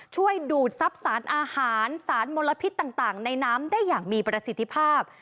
ช่วยดูดซับสารอาหารสารมลพิตต่างต่างในน้ำได้อย่างมีประสิทธิภาพ